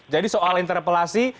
jadi soal interpelasi